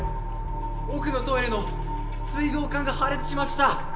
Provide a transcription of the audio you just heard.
奥のトイレの水道管が破裂しました！